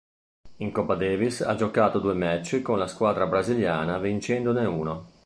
In Coppa Davis ha giocato due match con la squadra brasiliana vincendone uno.